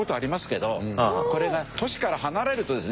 これが都市から離れるとですね